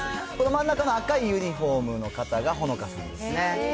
真ん中の赤いユニホームの方がほのかさんですね。